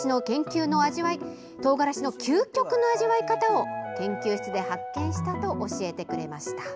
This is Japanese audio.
トウガラシの究極の味わい方を研究室で発見したと教えてくれました。